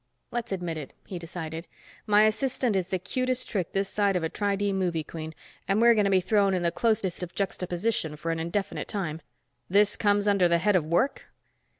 Let's admit it, he decided. My assistant is the cutest trick this side of a Tri Di movie queen, and we're going to be thrown in the closest of juxtaposition for an indefinite time. This comes under the head of work?